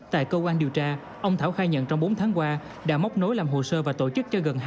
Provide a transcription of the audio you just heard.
tại cơ quan điều tra ông thảo khai nhận trong bốn tháng qua đã móc nối làm hồ sơ và tổ chức cho gần hai mươi